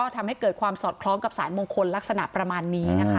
ทำให้เกิดความสอดคล้องกับสายมงคลลักษณะประมาณนี้นะคะ